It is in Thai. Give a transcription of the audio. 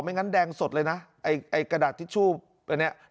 ไม่งั้นแดงสดเลยนะไอ้ไอ้กระดาษทิชชูอันเนี้ย